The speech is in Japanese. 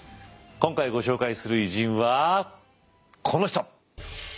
今回ご紹介する偉人はこの人。